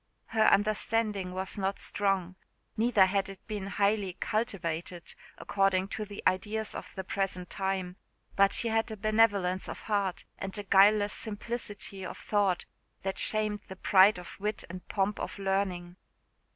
Her understanding was not strong neither had it been highly cultivated, according to the ideas of the present time; but she had a benevolence of heart and a guileless simplicity of thought that shamed the pride of wit and pomp of learning.